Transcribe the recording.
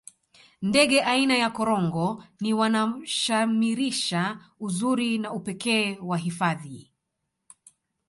ndege aina ya korongo ni wanashamirisha uzuri na upekee wa hifadhi